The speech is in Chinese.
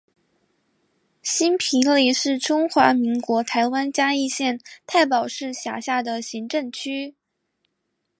新埤里是中华民国台湾嘉义县太保市辖下的行政区。